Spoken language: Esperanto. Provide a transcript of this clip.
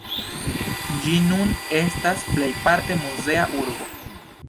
Ĝi nun estas plejparte muzea urbo.